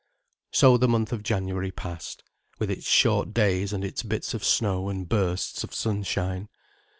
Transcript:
So the month of January passed, with its short days and its bits of snow and bursts of sunshine.